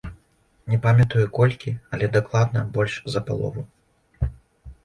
Не памятаю, колькі, але дакладна больш за палову.